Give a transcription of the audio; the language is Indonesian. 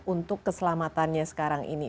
untuk keselamatannya sekarang ini